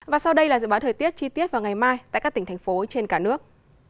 và sau đây là dự báo thời tiết chi tiết vào ngày mai tại các tỉnh thành phố trên cả nước